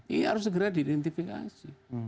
ini harus segera diidentifikasi